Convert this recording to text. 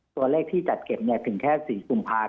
ตัวเลขที่จัดเก็บถึงแค่๔กุมภาค